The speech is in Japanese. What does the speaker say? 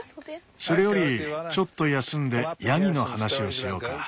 それよりちょっと休んでヤギの話をしようか。